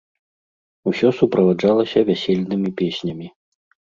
Усё суправаджалася вясельнымі песнямі.